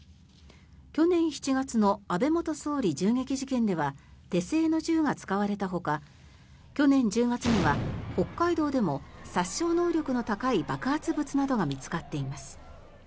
去年７月の安倍元総理銃撃事件では手製の銃が使われたほか去年１０月には北海道でも殺傷能力の高い爆発物などが見つかっています。